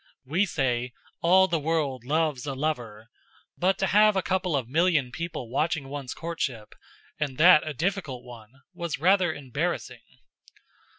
We say: "All the world loves a lover," but to have a couple of million people watching one's courtship and that a difficult one was rather embarrassing.